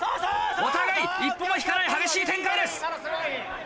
お互い一歩も引かない激しい展開です。